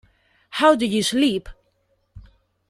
How Do You Sleep?